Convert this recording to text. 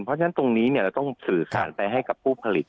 เพราะฉะนั้นตรงนี้เราต้องสื่อสารไปให้กับผู้ผลิต